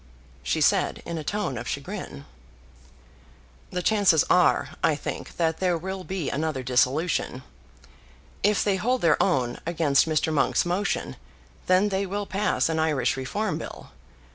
she said in a tone of chagrin. "The chances are, I think, that there will be another dissolution. If they hold their own against Mr. Monk's motion, then they will pass an Irish Reform Bill.